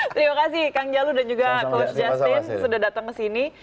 terima kasih kang jalo dan juga coach justin sudah datang kesini